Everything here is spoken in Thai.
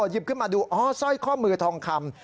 หยิบขึ้นมาดูอ๋อสร้อยข้อมือทองคำ